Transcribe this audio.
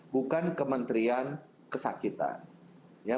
bukan kementerian kesakitan